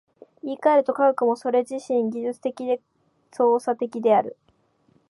言い換えると、科学もそれ自身技術的で操作的である。